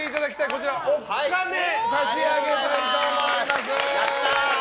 こちらおっ金差し上げたいと思います。